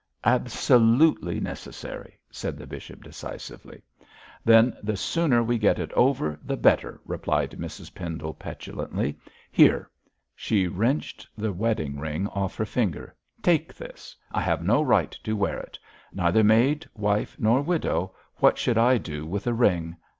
'Absolutely necessary,' said the bishop, decisively. 'Then the sooner we get it over the better,' replied Mrs Pendle, petulantly. 'Here' she wrenched the wedding ring off her finger 'take this! I have no right to wear it. Neither maid, wife, nor widow, what should I do with a ring?'